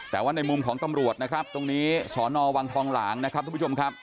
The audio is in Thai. แต่ว่าในมุมของตำรวจนะครับตรงนี้สอนอวังทองหลางนะครับทุกผู้ชมครับ